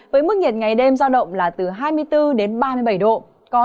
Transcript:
với mức nhiệt ngày đêm giao động là từ hai mươi bốn đến ba mươi bảy độ